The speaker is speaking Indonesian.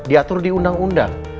diatur di undang undang